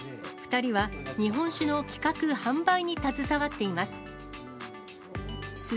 ２人は日本酒の企画・販売に携わっています。